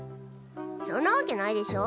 そんなわけないでしょ。